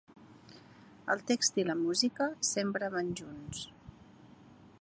El text i la música sempre van junts.